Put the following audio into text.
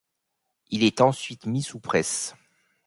Il est ensuite mis sous presse.